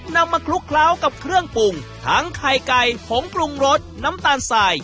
มาคลุกเคล้ากับเครื่องปรุงทั้งไข่ไก่ผงปรุงรสน้ำตาลสาย